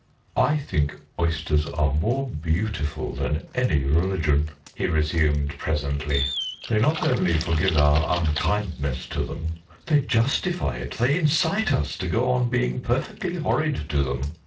"I think oysters are more beautiful than any religion," he resumed presently. "They not only forgive our unkindness to them; they justify it, they incite us to go on being perfectly horrid to them.